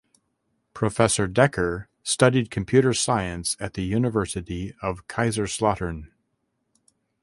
Professor Decker studied Computer Science at the University of Kaiserslautern.